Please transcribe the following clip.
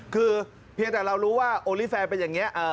คือเพียงแต่เรารู้ว่าโอลี่แฟนเป็นอย่างนี้